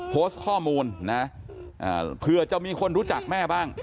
โพสต์ข้อมูลนะเผื่อจะมีคนรู้จักแม่บ้าง